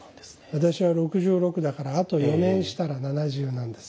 私は６６だからあと４年したら７０なんです。